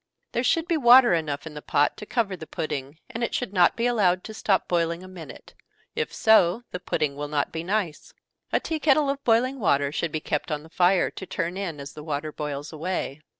There should be water enough in the pot to cover the pudding, and it should not be allowed to stop boiling a minute if so, the pudding will not be nice. A tea kettle of boiling water should be kept on the fire, to turn in as the water boils away.